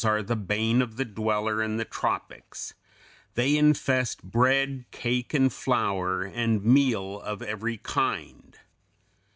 206) are the bane of the dweller in the tropics. They infest bread, cake, and flour and meal of every kind.